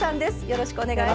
よろしくお願いします。